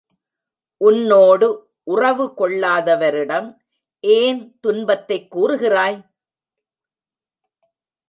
உன்னோடு உறவு கொள்ளாதவரிடம் ஏன் துன்பத்தைக் கூறுகிறாய்?